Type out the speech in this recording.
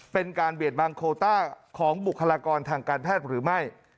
เป็นการเบียดบังโคต้าของบุคลากรทางการแพทย์หรือไม่